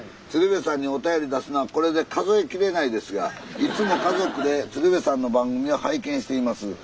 鶴瓶さんにお便り出すのはこれで数え切れないですがいつも家族で鶴瓶さんの番組を拝見しています。